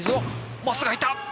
真っすぐ入った。